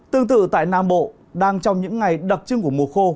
tương tự tại nam bộ đang trong những ngày đặc trưng của mùa khô